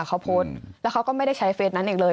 เค้าโพสแล้วเค้าก็ไม่ได้ใช้เฟสอีกเลย